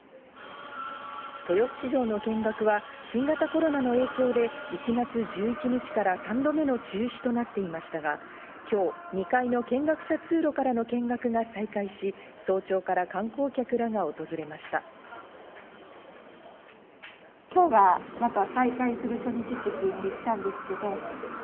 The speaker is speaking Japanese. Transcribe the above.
豊洲市場の見学は新型コロナの影響で１月１１日から３度目の中止となっていましたが、今日、２階の見学者通路からの見学が再開し、早朝から観光客らが訪れました。